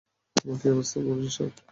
তোমার কী অবস্থা, মরিসট?